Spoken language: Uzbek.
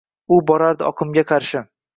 U borardi oqimga qarshi.